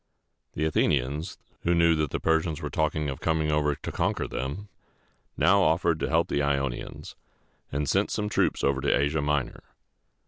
The Athenians, who knew that the Persians were talking of coming over to conquer them, now offered to help the Ionians, and sent some troops over to Asia Minor.